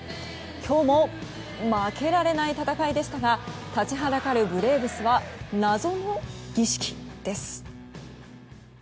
今日も負けられない戦いでしたが立ちはだかるブレーブスは謎の儀式です。